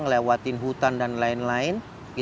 ngelewatin hutan dan lain lain